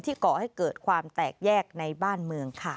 ก่อให้เกิดความแตกแยกในบ้านเมืองค่ะ